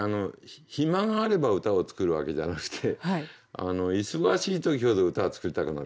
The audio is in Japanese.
暇があれば歌を作るわけじゃなくて忙しい時ほど歌は作りたくなるんですね。